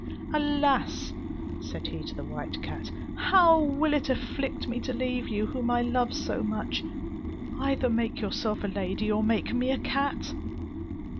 "Alas!" said he to the white cat, "how will it afflict me to leave you whom I love so much! Either make yourself a lady, or make me a cat."